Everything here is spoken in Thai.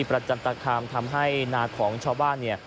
ประจันตะคามทำให้หนาคลองชอบ้าน